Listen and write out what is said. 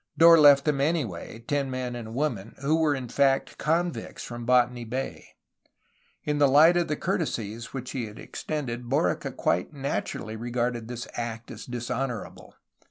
Dorr left them, anyway, ten men and a woman, who were in fact convicts from Botany Bay. In the light of the courtesies which he had extended, Borica quite naturally regarded this act as dishonorable.